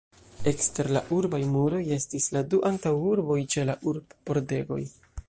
Ekster la urbaj muroj estis la du antaŭurboj ĉe la urb-pordegoj.